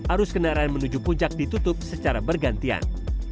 arus kendaraan menuju puncak ditutup secara bergantian